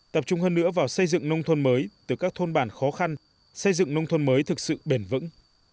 tập trung hơn nữa vào xây dựng nông thôn mới từ các thôn bản khó khăn xây dựng nông thôn mới thực sự bền vững